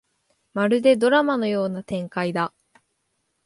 まるでドラマのような展開だ